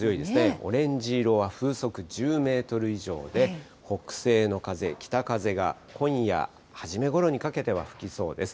オレンジ色は風速１０メートル以上で、北西の風、北風が今夜初めごろにかけては吹きそうです。